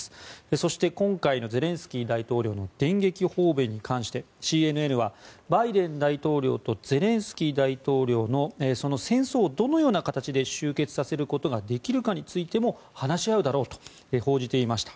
そして今回のゼレンスキー大統領の電撃訪米に関してＣＮＮはバイデン大統領とゼレンスキー大統領の戦争をどのような形で終結させることができるかについても話し合うだろうと報じていました。